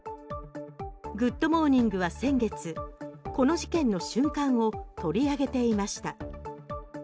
「グッド！モーニング」は先月この事件の瞬間を取り上げていました。